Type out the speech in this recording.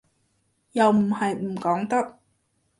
又唔係唔講得